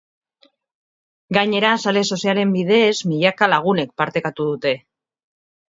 Gainera, sare sozialen bidez milaka lagunek partekatu dute.